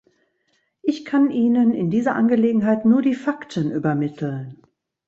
Ich kann Ihnen in dieser Angelegenheit nur die Fakten übermitteln.